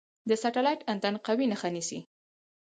د سټلایټ انتن قوي نښه نیسي.